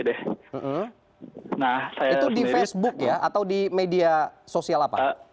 nah itu di facebook ya atau di media sosial apa